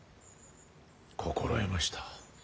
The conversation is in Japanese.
心得ました。